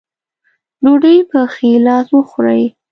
ډوډۍ پۀ ښي لاس وخورئ ـ